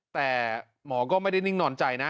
แต่หมอก็ไม่ได้นิ่งนอนใจนะ